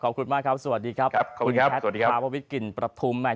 ขอบคุณมากครับสวัสดีครับคุณแพทย์พาวิทย์กิลประทุมแมน